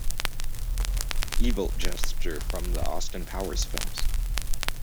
Evil" gesture from the "Austin Powers" films.